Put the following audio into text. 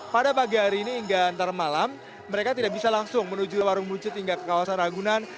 pada pagi hari ini hingga nanti malam mereka tidak bisa langsung menuju warung buncit hingga ke kawasan ragunan